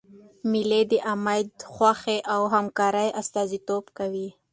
مېلې د امېد، خوښۍ او همکارۍ استازیتوب کوي.